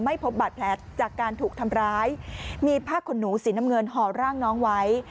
พบบาดแผลจากการถูกทำร้ายมีผ้าขนหนูสีน้ำเงินห่อร่างน้องไว้